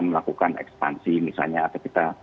melakukan ekspansi misalnya atau kita